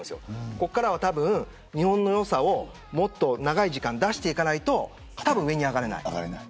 ここからは日本の良さをもっと長く出していかないと多分上に上がれない。